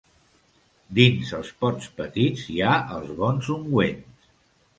Dins els pots petits hi ha els bons ungüents.